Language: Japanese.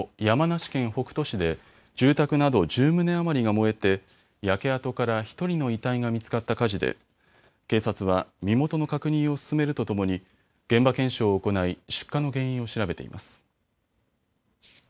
山梨県北杜市で住宅など１０棟余りが燃えて焼け跡から１人の遺体が見つかった火事で警察は身元の確認を進めるとともに現場検証を行い出火の原因を調べています。